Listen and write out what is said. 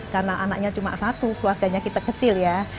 karena anaknya cuma satu keluarganya kita kecil ya